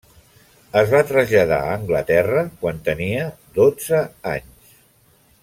Es va traslladar a Anglaterra quan tenia dotze anys.